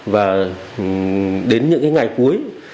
và đến những cái ngày cuối